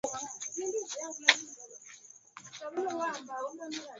Minyoo hupatikana tumboni utumboni au katika ini